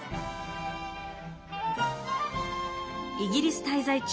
イギリス滞在中